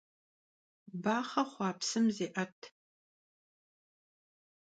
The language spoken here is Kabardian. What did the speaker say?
Baxhe xhua psım zê'et.